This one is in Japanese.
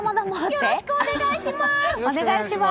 よろしくお願いします！